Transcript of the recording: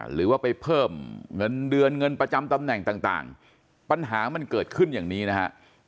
หรือว่าไปเพิ่มเงินเดือนเงินประจำตำแหน่งต่างปัญหามันเกิดขึ้นอย่างนี้นะฮะ